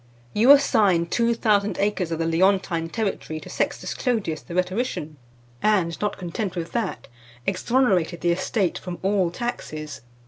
You assigned two thousand acres of the Leontine territory to Sextus Clodius, the rhetorician, and not content with that, exonerated the estate from all taxes.